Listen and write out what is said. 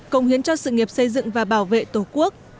công hiến cho sự nghiệp xây dựng và bảo vệ tổ quốc